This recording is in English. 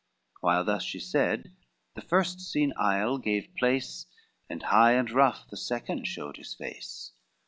While thus she said, the first seen isle gave place, And high and rough the second showed his face.